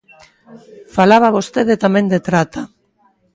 Falaba vostede tamén de trata.